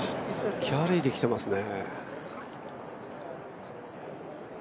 キャリーできてますね。